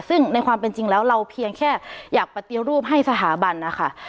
ซึ่งในความเป็นจริงแล้วเราเพียงแค่อยากปฏิรูปให้สถาบันนะคะ